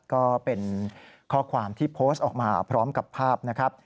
ก็เป็นข้อความที่โพสต์ออกมาพร้อมกับภาพนะครับ